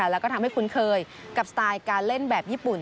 แล้วก็ทำให้คุ้นเคยกับสไตล์การเล่นแบบญี่ปุ่น